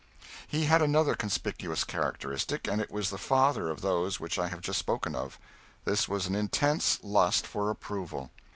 He had another conspicuous characteristic, and it was the father of those which I have just spoken of. This was an intense lust for approval.